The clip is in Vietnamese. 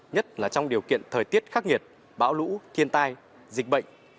nhất là trong điều kiện thời tiết khắc nghiệt bão lũ thiên tai dịch bệnh